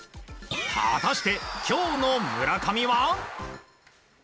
果たして今日の村上は。